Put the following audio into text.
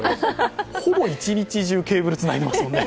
ほぼ一日中、ケーブルつないでますもんね。